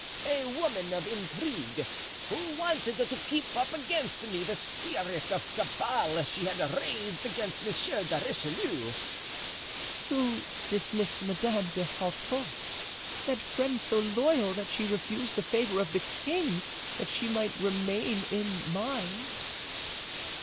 "A woman of intrigue, who wanted to keep up against me the spirit of cabal she had raised against M. de Richelieu." "Who dismissed Madame de Hautefort, that friend so loyal that she refused the favor of the king that she might remain in mine?"